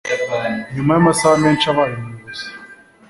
nyuma yamasaha menshi abaye umuyobozi